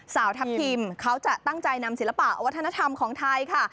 สาวทัพทิมเขาจะตั้งใจนำศิลปะวัฒนธรรมของไทยค่ะ